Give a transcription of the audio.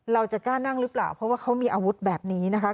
เราจะกล้านั่งหรือเปล่าเพราะว่าเขามีอาวุธแบบนี้นะคะ